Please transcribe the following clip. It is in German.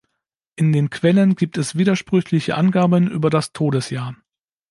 In den Quellen gibt es widersprüchliche Angaben über das Todesjahr.